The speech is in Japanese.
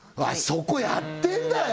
そこやってんだよ